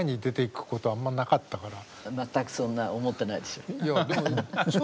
全くそんな思ってないでしょ。